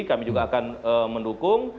kami juga akan mendukung